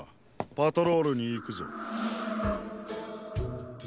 パトロールにいくぞ。